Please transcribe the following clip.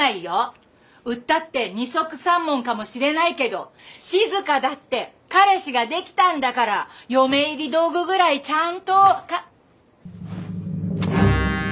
売ったって二束三文かもしれないけど静だって彼氏が出来たんだから嫁入り道具ぐらいちゃんと。